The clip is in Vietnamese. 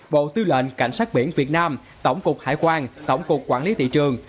bộ tư lệnh cảnh sát biển việt nam tổng cục hải quan tổng cục quản lý thị trường